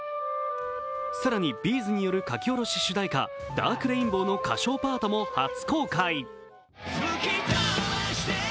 更に、Ｂ’ｚによる書き下ろし主題歌「ＤａｒｋＲａｉｎｂｏｗ」の歌唱パートも初公開。